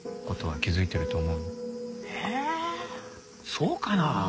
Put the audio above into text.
そうかな？